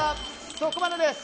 そこまでです！